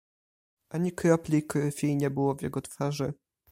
"Ani kropli krwi nie było w jego twarzy."